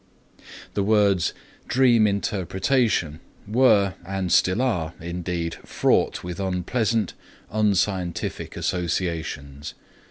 The words "dream interpretation" were and still are indeed fraught with unpleasant, unscientific associations.